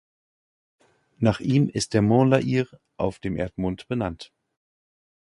Nach ihm ist der Mons La Hire auf dem Erdmond benannt.